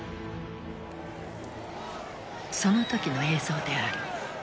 その時の映像である。